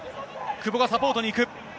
久保がサポートに行く。